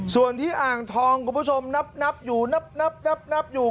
ส่วนที่อ่างทองคุณผู้ชมนับอยู่